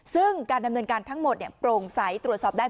ซึ่งการดำเนินการทั้งหมดโปร่งใสตรวจสอบได้